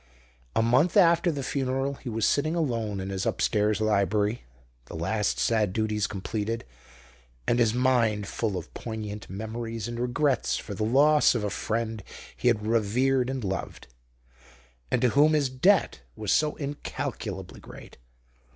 A month after the funeral he was sitting alone in his upstairs library, the last sad duties completed, and his mind full of poignant memories and regrets for the loss of a friend he had revered and loved, and to whom his debt was so incalculably great.